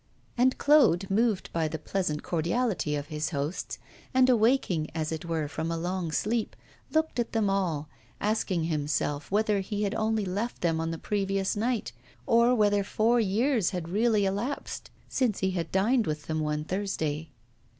And Claude, moved by the pleasant cordiality of his hosts, and awaking, as it were, from a long sleep, looked at them all, asking himself whether he had only left them on the previous night, or whether four years had really elapsed since he had dined with them one Thursday.